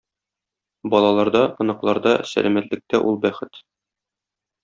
Балаларда, оныкларда, сәламәтлектә ул бәхет.